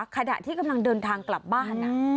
ขณะที่กำลังเดินทางกลับบ้าน